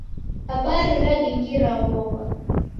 Habari radingira w'ow'a.